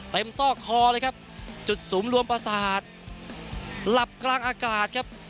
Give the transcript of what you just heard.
ซอกคอเลยครับจุดศูนย์รวมประสาทหลับกลางอากาศครับ